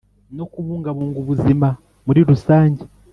no kubungabunga ubuzima muri rusange.